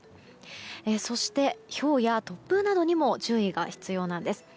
そして、ひょうや突風などにも注意が必要なんです。